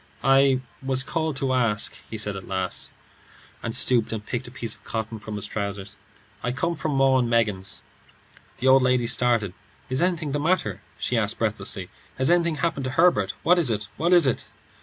"I was asked to call," he said at last, and stooped and picked a piece of cotton from his trousers. "I come from 'Maw and Meggins.'" The old lady started. "Is anything the matter?" she asked, breathlessly. "Has anything happened to Herbert? What is it? What is it?"